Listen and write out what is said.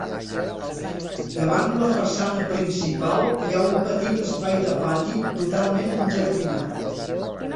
Davant la façana principal hi ha un petit espai de pati, totalment enjardinat.